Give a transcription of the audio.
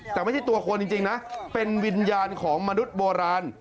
แต่ไม่ใช่ตัวคนจริงนะเป็นวิญญาณของมนุษย์โบราณ